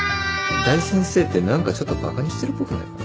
「大先生」って何かちょっとバカにしてるっぽくないか？